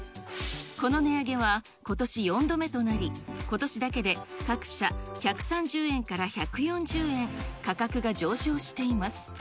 この値上げはことし４度目となり、ことしだけで各社１３０円から１４０円、価格が上昇しています。